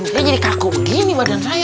dia jadi kaku begini badan saya